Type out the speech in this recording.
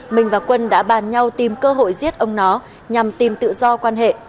mình và quân đã bàn nhau tìm cơ hội giết ông nó nhằm tìm tự do quan hệ